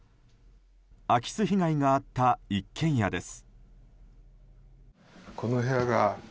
空き巣被害があった一軒家です。